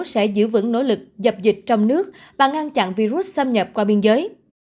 sẽ giữ vững nỗ lực dập dịch trong nước và ngăn chặn virus xâm nhập qua biên giới